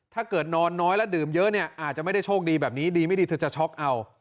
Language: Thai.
นอนน้อยแล้วดื่มเยอะเนี่ยอาจจะไม่ได้โชคดีแบบนี้ดีไม่ดีเธอจะช็อกเอา